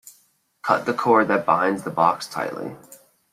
Cut the cord that binds the box tightly.